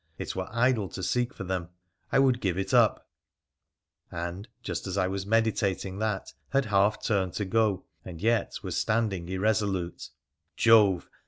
It were idle to seek for them. I would give it up. And just as I was meditating that — had half turned to go, and yet was standing irresolute — PHRA THE PHCENIC1AN 285 Jove